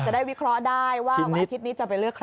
วิเคราะห์ได้ว่าวันอาทิตย์นี้จะไปเลือกใคร